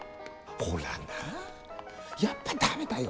ほらなやっぱ駄目だよ